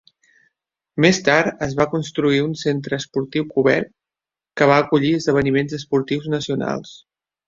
Més tard es va construir un centre esportiu cobert, que va acollir esdeveniments esportius nacionals.